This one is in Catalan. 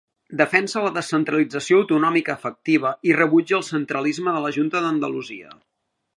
Defensa la descentralització autonòmica efectiva i rebutja el centralisme de la Junta d'Andalusia.